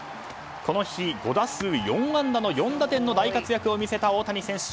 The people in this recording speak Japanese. この日、５打数４安打４打点の大活躍を見せた大谷選手。